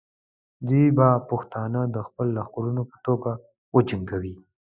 دوی به پښتانه د خپلو لښکرو په توګه وجنګوي.